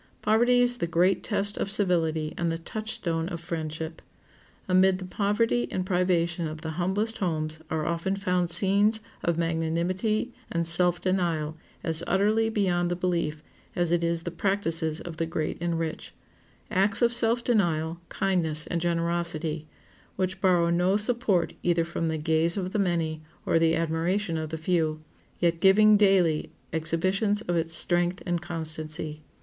Poverty is the great test of civility and the touchstone of friendship. Amid the poverty and privation of the humblest homes are often found scenes of magnanimity and self denial as utterly beyond the belief as it is the practices of the great and rich—acts of self denial, kindness, and generosity, which borrow no support either from the gaze of the many or the admiration of the few, yet giving daily exhibitions of its strength and constancy.